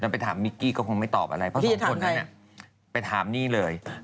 ไปถามไม่เก็บไปตอบว่าใครไปทามในเลย